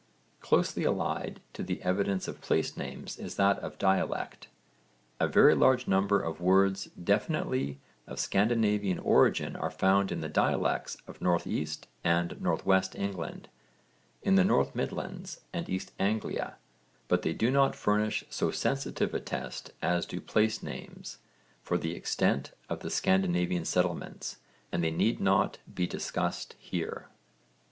Closely allied to the evidence of place names is that of dialect. A very large number of words definitely of Scandinavian origin are found in the dialects of N.E. and N.W. England, in the N. Midlands and East Anglia, but they do not furnish so sensitive a test as do place names for the extent of the Scandinavian settlements and they need not be discussed here.